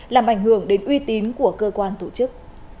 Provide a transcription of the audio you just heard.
làm ảnh hưởng đến uy tín của cơ quan tổ chức